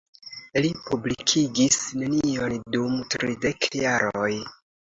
Li publikigis nenion dum tridek jaroj.